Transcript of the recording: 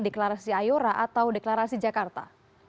deklarasi ayora atau deklarasi jakarta